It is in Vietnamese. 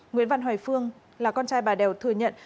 nguyễn văn hoài phương là con trai bà đèo thừa nhận